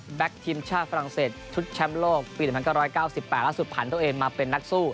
ทีมชาติฝรั่งเศสชุดแชมป์โลกปี๑๙๙๘ล่าสุดผ่านตัวเองมาเป็นนักสู้